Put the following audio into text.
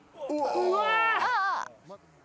うわ！